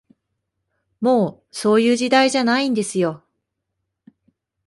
もう、そういう時代じゃないんですよ